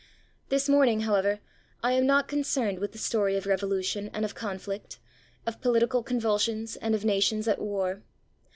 This morning, however, I am not concerned with the story of revolution and of conflict, of political convulsions and of nations at war.